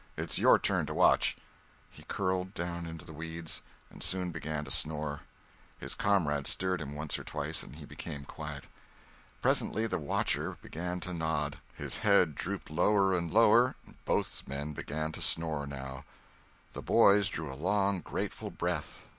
It's your turn to watch." He curled down in the weeds and soon began to snore. His comrade stirred him once or twice and he became quiet. Presently the watcher began to nod; his head drooped lower and lower, both men began to snore now. The boys drew a long, grateful breath.